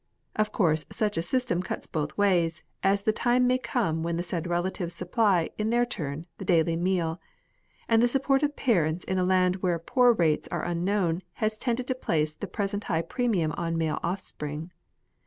Of course such a system cuts both ways, as the time may come when the said relatives supply, in their turn, the daily meal ; and the support of parents in a land where poor rates are unknown, has tended to place the present high premium on male offspring.